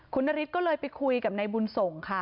คุณนฤทธิ์ก็เลยไปคุยกับนายบุญส่งค่ะ